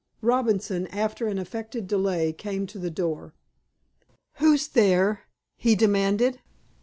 Robinson, after an affected delay, came to the door. "Who's there?" he demanded.